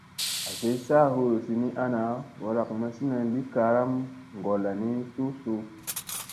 Azi saa huruzi ni ana warak mazina li karam ngolla ni suu suu.